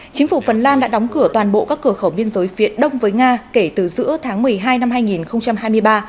chính phủ phần lan đã đóng cửa toàn bộ các cửa khẩu biên giới viện đông với nga kể từ giữa tháng một mươi hai năm hai nghìn hai mươi ba